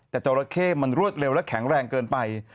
แต่จราเข้มันรวดเร็วและแข็งแรงเกินไป